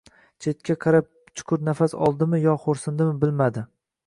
Chetga qarab chuqur nafas oldimi yo xo`rsindimi, bilmadi